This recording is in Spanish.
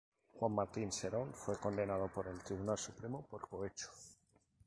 Juan Martín Serón fue condenado por el Tribunal Supremo por cohecho.